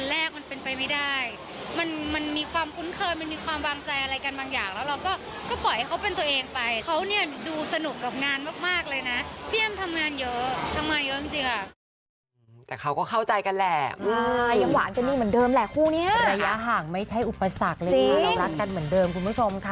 แรกที่เราคบกันอ่ะมันก็เป็นไลฟ์สไตล์แบบอยู่แล้ว